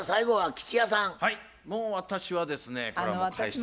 もう私はですねこれは。